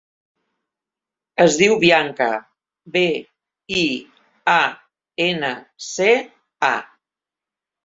Es diu Bianca: be, i, a, ena, ce, a.